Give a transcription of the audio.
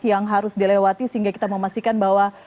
yang harus dilewati sehingga kita memastikan bahwa